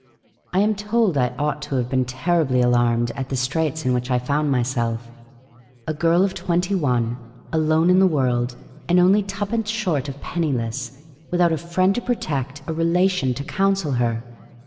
I am told I ought to have been terribly alarmed at the straits in which I found myself — a girl of twenty one, alone in the world, and only twopence short of penniless, without a friend to protect, a relation to counsel her.